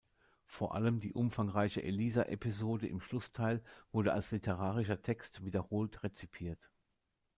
Vor allem die umfangreiche Elisa-Episode im Schlussteil wurde als literarischer Text wiederholt rezipiert.